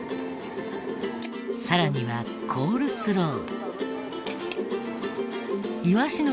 さらにはコールスロー。